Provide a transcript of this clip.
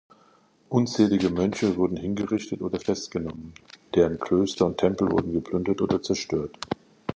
Unzählige Mönche wurden hingerichtet oder festgenommen, deren Klöster und Tempel wurden geplündert oder zerstört.